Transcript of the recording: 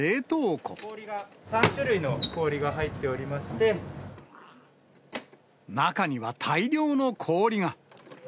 氷が３種類の氷が入っており中には大量の氷が。